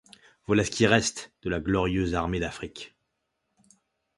Voilà ce qui reste de la glorieuse armée d'Afrique.